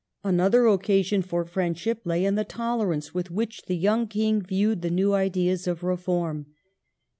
Another occasion for friendship lay in the tolerance with which the young King viewed the new ideas of reform.